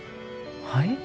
はい？